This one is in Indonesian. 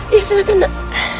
ya silahkan nek